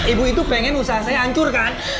ibu itu pengen usaha saya hancur kan